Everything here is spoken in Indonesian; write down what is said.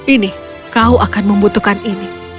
ini kau akan membutuhkan ini